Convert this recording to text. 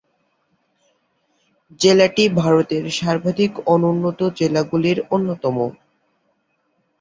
জেলাটি ভারতের সর্বাধিক অনুন্নত জেলাগুলির অন্যতম।